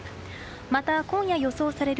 また、今夜予想される